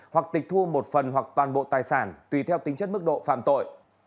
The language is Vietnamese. hoặc tịch thu một phần hoặc toàn bộ tài sản tùy theo tính chất mức độ phạm tội